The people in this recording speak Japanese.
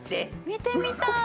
見てみたい。